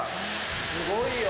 すごいよ。